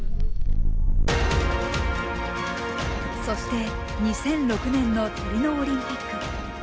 そして２００６年のトリノオリンピック。